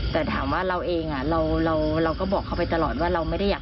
แต่ถามว่าเราเองเราก็บอกเขาไปตลอดว่าเราไม่ได้อยาก